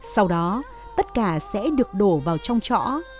sau đó tất cả sẽ được đổ vào trong chỗ